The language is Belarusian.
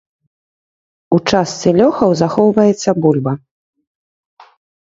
У частцы лёхаў захоўваецца бульба.